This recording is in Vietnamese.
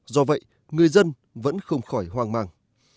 do vậy người dân vẫn không khỏi hoang mang